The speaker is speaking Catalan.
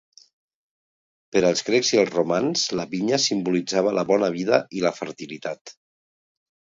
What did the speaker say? Per als grecs i romans la vinya simbolitzava la bona vida i la fertilitat.